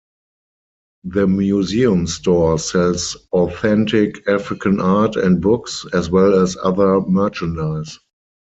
The museum store sells authentic African art and books, as well as other merchandise.